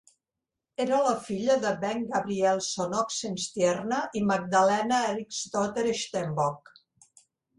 Era la filla de Bengt Gabrielsson Oxenstierna i Magdalena Eriksdotter Stenbock.